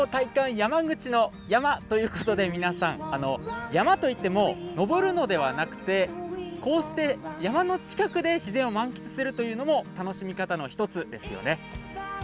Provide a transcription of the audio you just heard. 山口の山」ということで皆さん山といっても登るのではなくてこうして山の近くで自然を満喫するというのも楽しみ方の一つですよね。